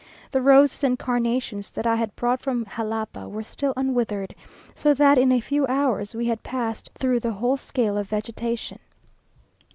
The roses and carnations that I had brought from Jalapa were still unwithered, so that in a few hours we had passed through the whole scale of vegetation.